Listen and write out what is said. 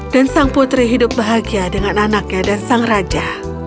dan sang putri hidup bahagia dengan anaknya dan sang raja